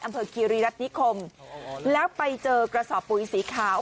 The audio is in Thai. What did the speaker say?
คีรีรัฐนิคมแล้วไปเจอกระสอบปุ๋ยสีขาว